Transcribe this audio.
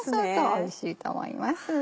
おいしいと思います。